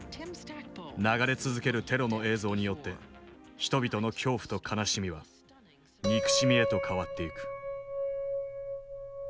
流れ続けるテロの映像によって人々の恐怖と悲しみは憎しみへと変わっていく。